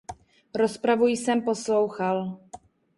Rozpravu jsem poslouchal.